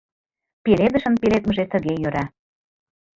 Пеледышын пеледмыже тыге йӧра